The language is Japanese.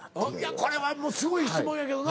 これはもうすごい質問やけどな。